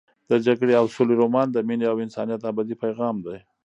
د جګړې او سولې رومان د مینې او انسانیت ابدي پیغام دی.